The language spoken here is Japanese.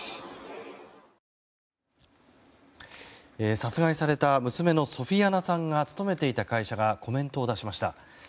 殺害された娘のソフィアナさんが勤めていた会社がコメントを出しました。